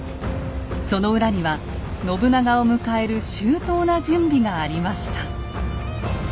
その裏には信長を迎える周到な準備がありました。